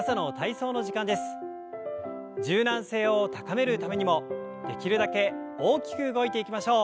柔軟性を高めるためにもできるだけ大きく動いていきましょう。